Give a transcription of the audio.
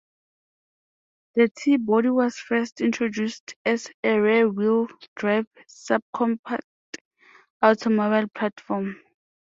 The T-body was first introduced as a rear-wheel drive subcompact automobile platform.